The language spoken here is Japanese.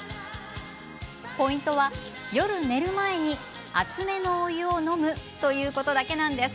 ポイントは夜寝る前に熱めのお湯を飲むということだけなんです。